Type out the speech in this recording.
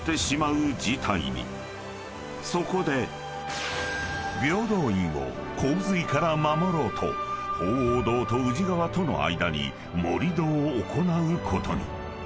［そこで平等院を洪水から守ろうと鳳凰堂と宇治川との間に盛り土を行うことに］